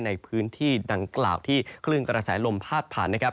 ในพื้นที่ดังกล่าวที่คลื่นกระแสลมพาดผ่านนะครับ